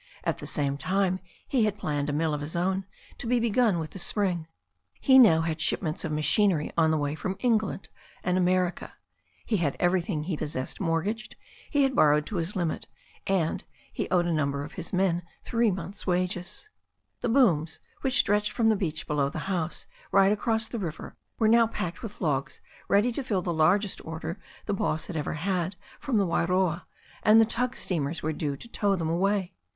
At the same time he had planned a mill of his own, to be begun with the spring. He now had shipments of machinery on the way from England and America, he had everything THE STORY OF A NEW ZEALAND RIVER 169 he possessed mortgaged, he had borrowed to his limit, and he owed a number of his men three months' wages. The booms, which stretched from the beach below the house right across the river, were now packed with logs ready to fill the largest order the boss had ever had from the Wairoa, and the tug steamers were due to tow them away.